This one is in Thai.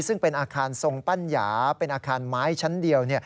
ซึ่งเป็นอาคารทรงปัญญาเป็นอาคารไม้ชั้นเดียว